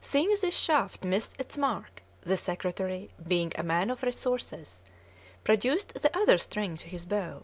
Seeing this shaft miss its mark, the secretary, being a man of resources, produced the other string to his bow.